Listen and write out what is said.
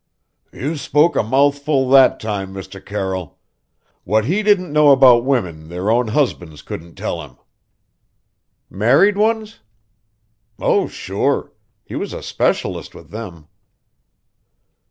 "You spoke a mouthful that time, Mr. Carroll! What he didn't know about women their own husbands couldn't tell him." "Married ones?" "Oh, sure! He was a specialist with them."